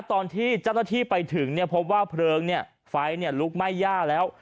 ตอนที่เจ้าหน้าที่ไปถึงเนี่ยพบว่าเพลิงเนี่ยไฟเนี่ยลุกไหม้ยากแล้ว